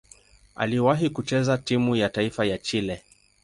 Aliwahi kucheza timu ya taifa ya Chile.